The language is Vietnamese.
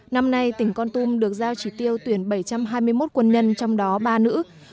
năm nay tỉnh con tum được giao chỉ tiêu tuyển bảy trăm hai mươi một quân nhân trong đó ba nữ